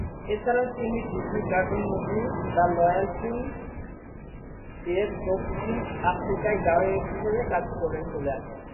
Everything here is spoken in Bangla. এছাড়াও তিনি Disney cartoon movie "The Lion King" এর দক্ষিণ আফ্রিকায় গায়ক হিসেবে কাজ করেছিলেন।